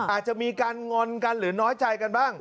อาจจะมีการงอนกันหรือน้อยใจกันบ้าง